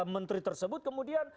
menteri tersebut kemudian